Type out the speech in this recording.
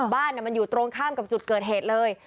บ้านมันอยู่ตรงข้ามกับจุดเกิดเหตุเลย